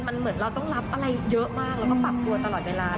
มันเหมือนเราต้องรับอะไรเยอะมากแล้วก็ปรับตัวตลอดเวลา